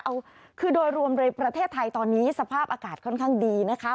เอาคือโดยรวมในประเทศไทยตอนนี้สภาพอากาศค่อนข้างดีนะคะ